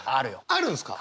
あるんですか。